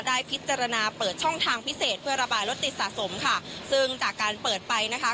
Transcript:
ได้พิจารณาเปิดช่องทางพิเศษเพื่อระบายรถติดสะสมค่ะซึ่งจากการเปิดไปนะคะ